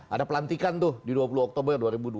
ada pelantikan tuh di dua puluh oktober dua ribu dua puluh